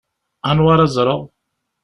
Anwa ara ẓṛeɣ?